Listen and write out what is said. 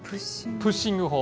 プッシング法。